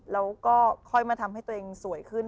แล้วก็ค่อยมาทำให้ตัวเองสวยขึ้น